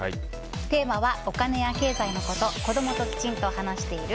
テーマは、お金や経済のこと子供ときちんと話している？